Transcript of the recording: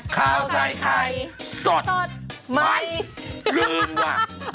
ข้าวใส่ไข่สดใหม่ลืมว่ะ